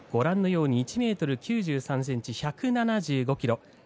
１ｍ９３ｃｍ、１７５ｋｇ。